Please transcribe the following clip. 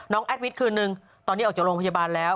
แอดวิทย์คืนนึงตอนนี้ออกจากโรงพยาบาลแล้ว